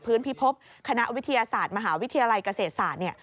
พิพบคณะวิทยาศาสตร์มหาวิทยาลัยเกษตรศาสตร์